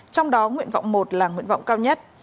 trong đó nguyện vọng một là nguyện vọng cao nhất